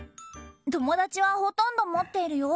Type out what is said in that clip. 友達はほとんど持っているよ。